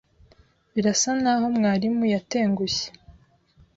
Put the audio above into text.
Birasa naho mwarimu yatengushye.